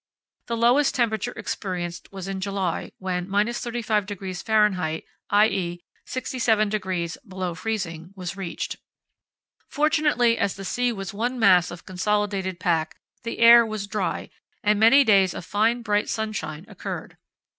The lowest temperature experienced was in July, when –35° Fahr., i.e. 67° below freezing, was reached. Fortunately, as the sea was one mass of consolidated pack, the air was dry, and many days of fine bright sunshine occurred.